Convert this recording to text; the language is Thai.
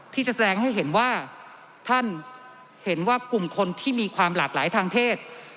ที่จะแสดงให้เห็นว่าท่านเห็นว่ากลุ่มคนที่มีความหลากหลายทางเพศ